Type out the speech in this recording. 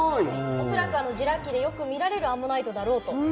恐らくジュラ紀でよく見られるアンモナイトだろうと。